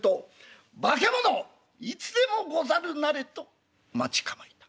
「化け物いつでもござるなれ！」と待ち構えた。